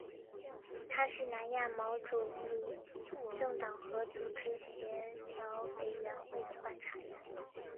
它是南亚毛主义政党和组织协调委员会的观察员。